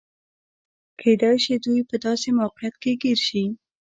کېدای شي دوی په داسې موقعیت کې ګیر شي.